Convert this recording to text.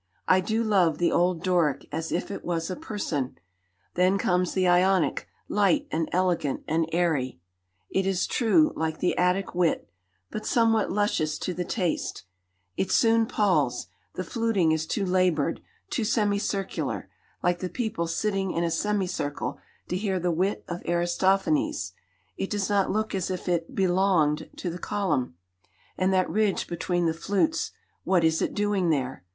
I do love the old Doric as if it was a person. Then comes the Ionic, light and elegant and airy, it is true, like the Attic wit, but somewhat luscious to the taste; it soon palls; the fluting is too laboured, too semicircular, like the people sitting in a semi circle to hear the wit of Aristophanes; it does not look as if it belonged to the column; and that ridge between the flutes, what is it doing there?